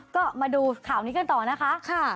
ก็มาดูข่าวนี้กันต่อนะคะ